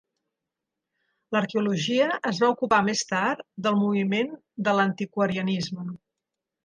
L'arqueologia es va ocupar més tard del moviment de l'antiquarianisme.